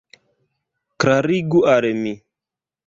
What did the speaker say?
Klarigu al mi.